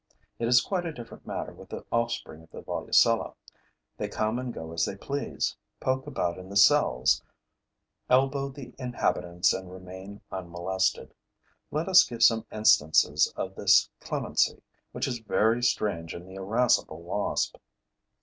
It is quite a different matter with the offspring of the Volucella. They come and go as they please, poke about in the cells, elbow the inhabitants and remain unmolested. Let us give some instances of this clemency, which is very strange in the irascible Wasp.